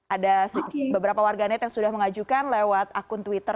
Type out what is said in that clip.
ada beberapa warganet yang sudah mengajukan lewat akun twitter